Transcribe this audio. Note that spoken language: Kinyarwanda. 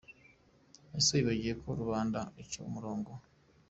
Ese wibagiwe ko na Rubanda ica umurongo?